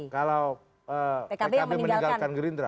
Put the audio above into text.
kalau pkb meninggalkan gerindra